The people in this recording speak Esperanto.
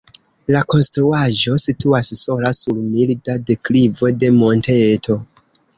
La konstruaĵo situas sola sur milda deklivo de monteto.